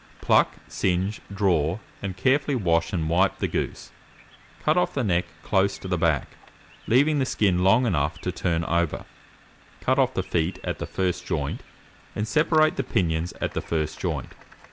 Pluck, singe, draw, and carefully wash and wipe the goose; cut off the neck close to the back, leaving the skin long enough to turn over; cut off the feet at the first joint, and separate the pinions at the first joint.